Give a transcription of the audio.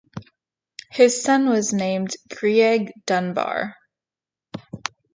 His son was named Greig Dunbar.